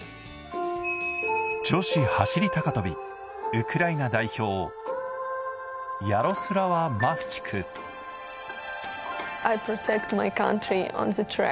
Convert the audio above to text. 女子走高跳、ウクライナ代表、ヤロスラワ・マフチク。